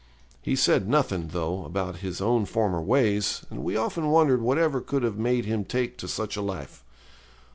He said nothing, though, about his own former ways, and we often wondered whatever could have made him take to such a life.